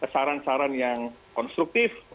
saran saran yang konstruktif